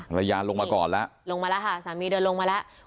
ภรรยาลงมาก่อนแล้วลงมาแล้วค่ะสามีเดินลงมาแล้ว